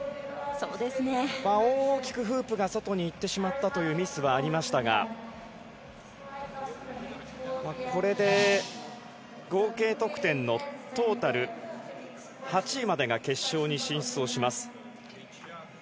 大きくフープが外にいってしまったというミスはありましたがこれで合計得点のトータル８位までが決勝に進出をします。